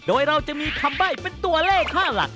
โดยเราจะมีคำใบ้เป็นตัวเลขค่าหลัก